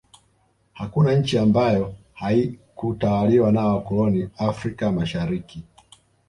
hakuna nchi ambayo haikutawaliwa na wakoloni afrika mashariki